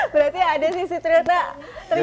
berarti ada sisi ternyata